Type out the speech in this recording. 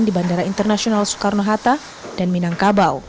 di bandara internasional soekarno hatta dan minangkabau